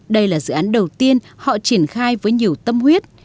đây là dự án đầu tiên họ triển khai với nhiều tâm huyết